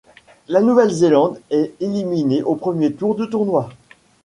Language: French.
La Nouvelle-Zélande est éliminé au premier tour du tournoi.